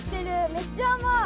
めっちゃあまい！